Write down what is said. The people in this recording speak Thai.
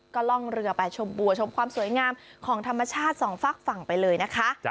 ก็ล่องเรือไปชมบัวชมความสวยงามของธรรมชาติสองฝากฝั่งไปเลยนะคะ